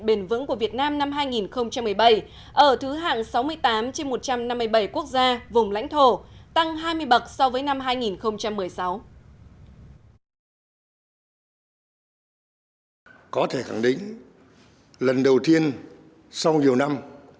bền vững của việt nam năm hai nghìn một mươi bảy ở thứ hạng sáu mươi tám trên một trăm năm mươi bảy quốc gia vùng lãnh thổ tăng hai mươi bậc so với năm hai nghìn một mươi sáu